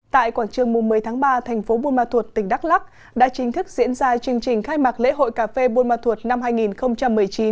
tại quảng trường mùa một mươi tháng ba thành phố buôn ma thuột tỉnh đắk lắc đã chính thức diễn ra chương trình khai mạc lễ hội cà phê buôn ma thuột năm hai nghìn một mươi chín